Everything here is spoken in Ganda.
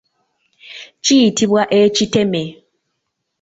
Kiyitibwa ekiteme.